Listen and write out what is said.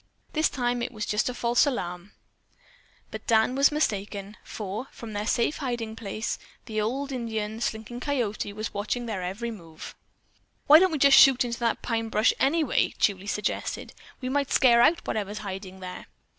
This time it was just a false alarm." But Dan was mistaken, for, from a safe hiding place, the old Indian, Slinking Coyote, was watching their every move. "Why don't we shoot into that pine brush anyway?" Julie suggested. "We might scare out whatever is hiding there."